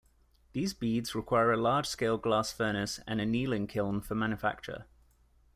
These beads require a large scale glass furnace and annealing kiln for manufacture.